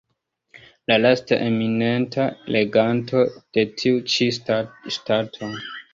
La lasta eminenta reganto de tiu ĉi ŝtato.